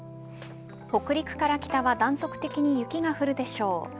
北陸から北は断続的に雪が降るでしょう。